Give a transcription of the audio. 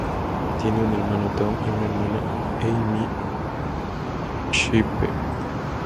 Tiene un hermano, Tom y una hermana, Amy Shepherd.